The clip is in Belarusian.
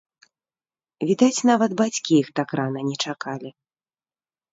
Відаць, нават бацькі іх так рана не чакалі!